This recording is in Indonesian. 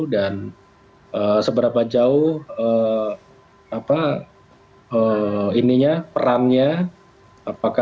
dan seberapa jauh perannya